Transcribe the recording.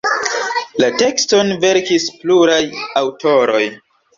La tekston verkis pluraj aŭtoroj.